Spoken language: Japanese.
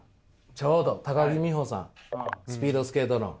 ちょうど木美帆さんスピードスケートの。